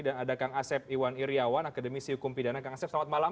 dan ada kang asep iwan iryawan akademisi hukum pidana kang asep selamat malam